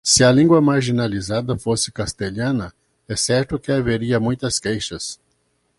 Se a língua marginalizada fosse castelhana, é certo que haveria muitas queixas.